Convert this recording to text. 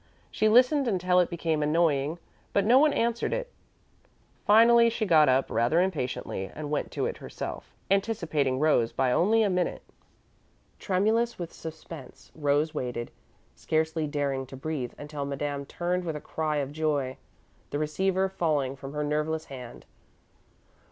She listened until it became annoying, but no one answered it. Finally she got up, rather impatiently, and went to it herself, anticipating Rose by only a minute. Tremulous with suspense, Rose waited, scarcely daring to breathe until Madame turned with a cry of joy, the receiver falling from her nerveless hand.